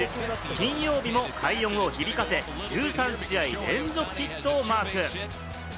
金曜日も快音を響かせ、１３試合連続ヒットをマーク。